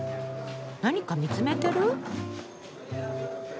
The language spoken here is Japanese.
何か見つめてる？